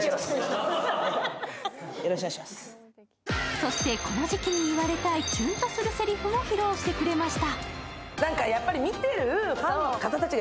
そしてこの時期に言われたいキュンとするせりふも披露してくれました。